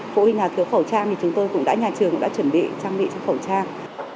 phụ huynh nào thiếu khẩu trang thì chúng tôi cũng đã nhà trường cũng đã chuẩn bị trang bị cho khẩu trang